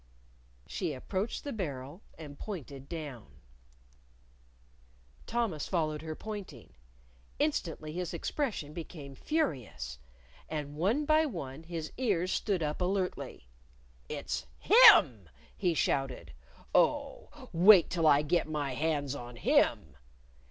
She approached the barrel and pointed down. Thomas followed her pointing. Instantly his expression became furious. And one by one his ears stood up alertly. "It's him!" he shouted. "Oh, wait till I get my hands on him!"